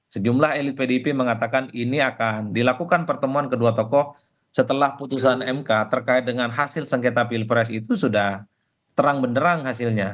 sejumlah elit pdip mengatakan ini akan dilakukan pertemuan kedua tokoh setelah putusan mk terkait dengan hasil sengketa pilpres itu sudah terang benderang hasilnya